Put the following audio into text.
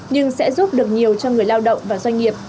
nhưng sẽ giúp được nhiều cho người lao động và doanh nghiệp